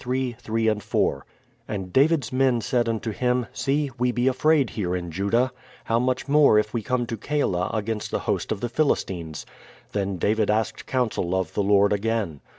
3, 4: "And David's men said unto him, see, we be afraid here in Judah; how much more if we come to Keilah against the host of the PhiUstines? Then David asked counsel of the Lord again."